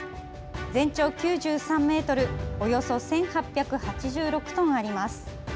全長９３ｍおよそ１８８６トンあります。